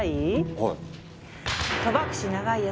はい。